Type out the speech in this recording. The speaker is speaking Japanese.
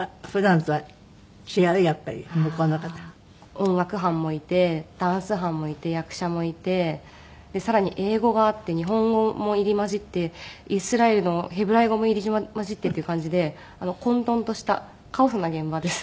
音楽班もいてダンス班もいて役者もいてさらに英語があって日本語も入り交じってイスラエルのヘブライ語も入り交じっているっていう感じで混沌としたカオスな現場です。